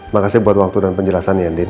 makasih buat waktu dan penjelasan ya din